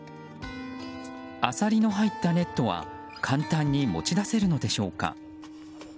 アサリの入ったネットは簡単に持ち出せるのでしょうか。